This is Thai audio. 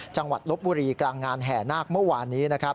จังหวัดลบบุรีกลางงานแห่นาคเมื่อวานนี้